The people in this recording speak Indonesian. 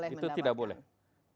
itu juga tidak boleh mendapatkan